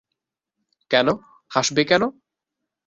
কেন, হাসবে কেন?